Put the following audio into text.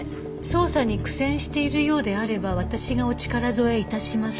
「捜査に苦戦しているようであれば私がお力添えいたします」